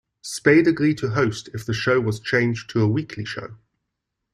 Spade agreed to host if the show was changed to a weekly show.